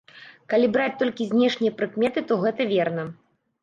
Калі браць толькі знешнія прыкметы, то гэта верна.